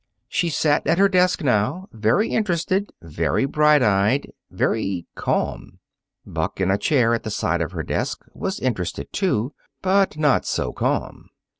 She sat at her desk now, very interested, very bright eyed, very calm. Buck, in a chair at the side of her desk, was interested, too, but not so calm.